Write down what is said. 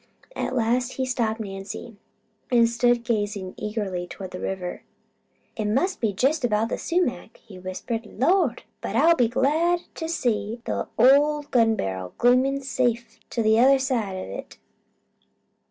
At last he stopped Nancy, and stood gazing eagerly toward the river. "Must be jest about the sumac," he whispered. "Lord! but I'll be glad to see the old gun barrel gleamin' safe t'other side o' it."